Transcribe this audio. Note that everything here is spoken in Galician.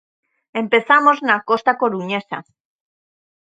Empezamos na costa coruñesa.